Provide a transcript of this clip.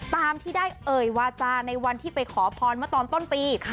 ตามที่ได้เอ่ยวาจาในวันที่ไปขอพรเมื่อตอนต้นปี